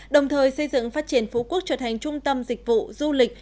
đồng thời xây dựng phát triển phú quốc trở thành trung tâm dịch vụ du lịch